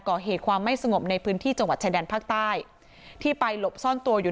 ก่อเหตุความไม่สงบในพื้นที่จังหวัดชายแดนภาคใต้ที่ไปหลบซ่อนตัวอยู่